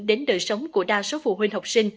đến đời sống của đa số phụ huynh học sinh